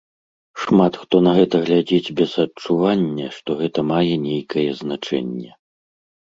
Шмат хто на гэта глядзіць без адчування, што гэта мае нейкае значэнне.